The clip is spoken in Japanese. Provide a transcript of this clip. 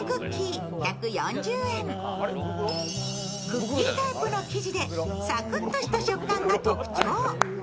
クッキータイプの生地でサクッとした食感が特徴。